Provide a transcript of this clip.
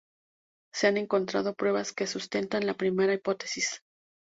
Se han encontrado pruebas que sustentan la primera hipótesis.